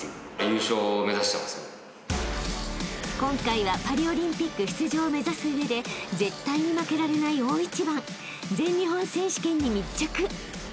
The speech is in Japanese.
［今回はパリオリンピック出場を目指す上で絶対に負けられない大一番全日本選手権に密着］